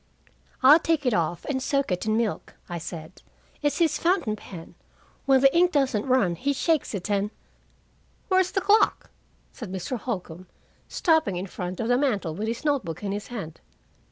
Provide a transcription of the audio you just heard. "I'll take it off and soak it in milk," I said. "It's his fountain pen; when the ink doesn't run, he shakes it, and " "Where's the clock?" said Mr. Holcombe, stopping in front of the mantel with his note book in his hand.